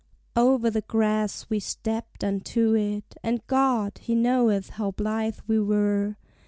Over the grass we stepped unto it, And God, He knoweth how blithe we were!